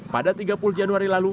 pada tiga puluh januari lalu